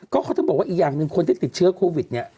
อีกอย่างนึงที่บอกว่าคนที่ติดเชื้อโควิด